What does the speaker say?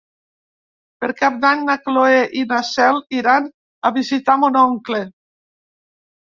Per Cap d'Any na Cloè i na Cel iran a visitar mon oncle.